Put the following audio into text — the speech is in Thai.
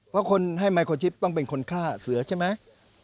เพราะคนให้ไมโครชิปต้องเป็นคนฆ่าเสือใช่ไหม